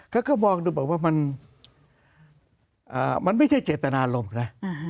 เขาก็มองดูบอกว่ามันไม่ใช่เจตนารมณ์นะ